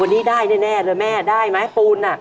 วันนี้ได้แน่เลยแม่ได้ไหมปูน